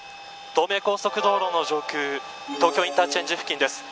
東名高速道路の上空東京インターチェンジ付近です。